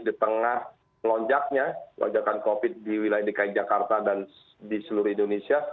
di tengah melonjaknya lonjakan covid di wilayah dki jakarta dan di seluruh indonesia